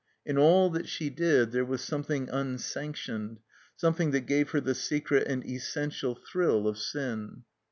In all that she did there was something unsanctioned, something that gave her the secret and essential thrill of sin.